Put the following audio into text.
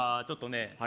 ちょっとね